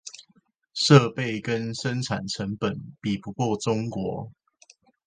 設備跟生產成本比不過中國